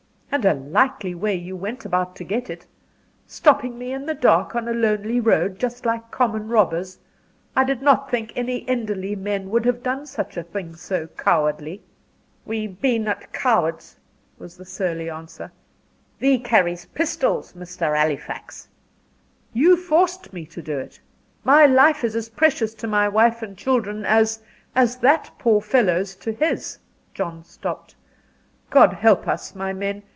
"And a likely way you went about to get it! Stopping me in the dark, on a lonely road, just like common robbers. I did not think any Enderley men would have done a thing so cowardly." "We bean't cowards," was the surly answer. "Thee carries pistols, Mr. Halifax." "You forced me to do it. My life is as precious to my wife and children, as as that poor fellow's to his." John stopped. "God help us, my men!